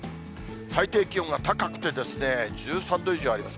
最低気温は高くて、１３度以上あります。